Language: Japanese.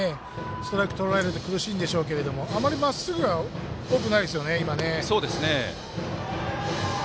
ストライクとられると苦しいんでしょうけどあまり、まっすぐは多くないですよね。